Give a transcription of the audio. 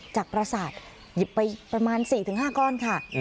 ประสาทหยิบไปประมาณ๔๕ก้อนค่ะ